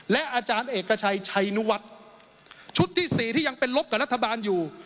และอาจารย์เอกชัยชัยนุวัฒน์ชุดที่๔ที่ยังเป็นลบกับรัฐบาลอยู่